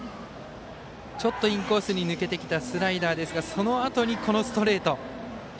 インコースに抜けてきたスライダーですがそのあとにストレート。